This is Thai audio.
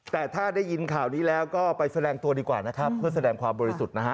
แต่ถ้าได้ยินข่าวนี้แล้วก็ไปแสดงตัวดีกว่านะครับเพื่อแสดงความบริสุทธิ์นะฮะ